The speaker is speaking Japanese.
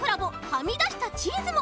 「はみだしたチーズ」も！